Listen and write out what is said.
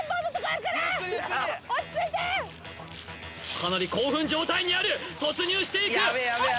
かなり興奮状態にある突入していく